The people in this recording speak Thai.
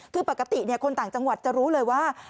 คือปกติคนต่างจังหวัดจะรู้เลยว่า